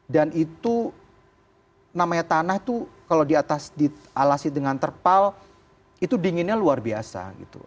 dan itu namanya tanah itu kalau di atas di alasi dengan terpal itu dinginnya luar biasa gitu